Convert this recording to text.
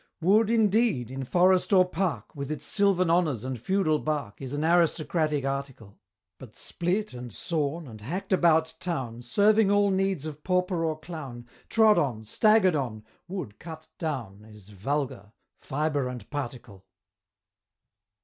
Wood indeed, in Forest or Park, With its sylvan honors and feudal bark, Is an aristocratic article: But split and sawn, and hack'd about town, Serving all needs of pauper or clown, Trod on! stagger'd on! Wood cut down Is vulgar fibre and particle!